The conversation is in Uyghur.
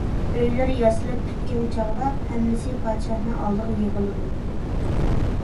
ئۆيلىرى ياسىلىپ پۈتكەن چاغدا، ھەممىسى پادىشاھنىڭ ئالدىغا يىغىلىدۇ.